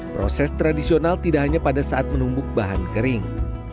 proses tradisional tidak hanya pada saat menumbuk bahan kering